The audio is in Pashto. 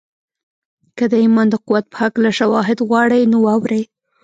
که د ایمان د قوت په هکله شواهد غواړئ نو واورئ